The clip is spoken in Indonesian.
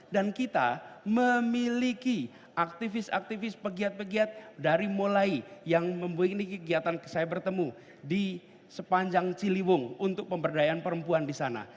dan kita memiliki aktivis aktivis pegiat pegiat dari mulai yang memiliki kegiatan saya bertemu di sepanjang ciliwung untuk pemberdayaan perempuan di sana